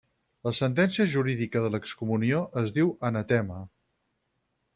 La sentència jurídica de l'excomunió es diu anatema.